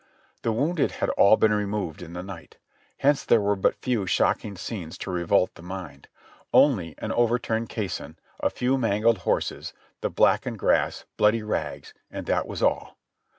The wounded had all been removed in the night ; hence there were but few shocking scenes to revolt the mind ; only an overturned caisson, a few mangled horses, the blackened grass, bloody rags, and that was all.